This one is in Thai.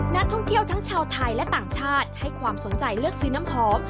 นักท่องเที่ยวทั้งชาวไทยและต่างชาติให้ความสนใจเลือกซื้อน้ำหอม